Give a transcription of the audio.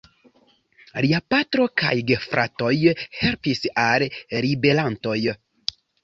Lia patro kaj gefratoj helpis al ribelantoj.